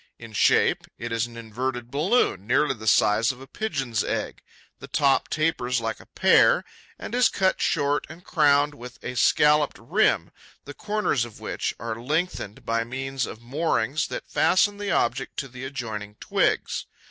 In shape, it is an inverted balloon, nearly the size of a Pigeon's egg. The top tapers like a pear and is cut short and crowned with a scalloped rim, the corners of which are lengthened by means of moorings that fasten the object to the adjoining twigs.